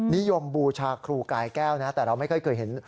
บูชาครูกายแก้วนะแต่เราไม่ค่อยเคยเห็น